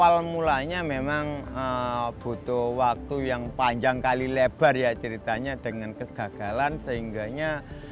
awal mulanya memang butuh waktu yang panjang kali lebar ya ceritanya dengan kegagalan sehingga